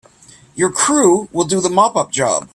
Your crew will do the mop up job.